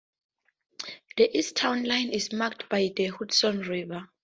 The east town line is marked by the Hudson River.